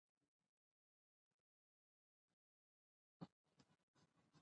رضا پهلوي په تهران کې زېږېدلی دی.